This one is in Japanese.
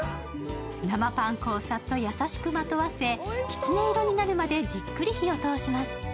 生パン粉をさっと優しくまとわせきつね色になるまでじっくり火を通します。